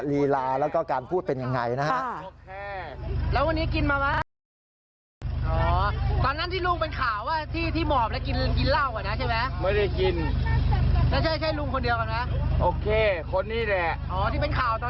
ลีลาแล้วก็การพูดเป็นยังไงนะฮะ